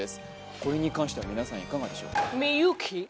これに関しては皆さんいかがでしょう？